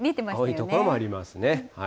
青い所もありますね。